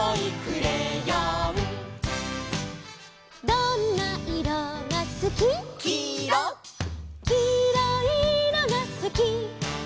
「どんないろがすき」「」「きいろいいろがすき」